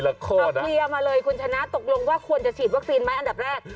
เคลียร์มาเลยคุณชนะตกลงว่าควรจะฉีดวัคซีนไหมอันดับแรก